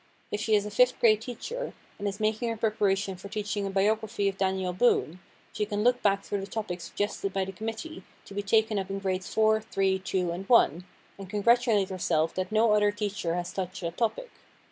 If she is a fifth grade teacher, and is making her preparation for teaching a biography of Daniel Boone, she can look back through the topics suggested by the committee to be taken up in grades four, three, two and one, and congratulate herself that no other teacher has touched that topic.